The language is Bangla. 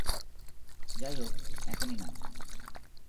যাইহোক এখনই না।